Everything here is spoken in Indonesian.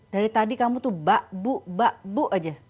dari tadi kamu tuh bak buk bak buk aja